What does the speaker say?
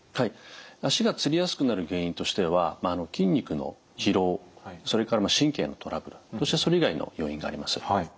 足がつりやすくなる原因としては筋肉の疲労それから神経のトラブルそしてそれ以外の要因があります。